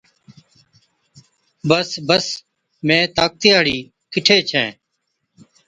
بس بس، مين طاقتِي هاڙِي ڪِٺي ڇَِين؟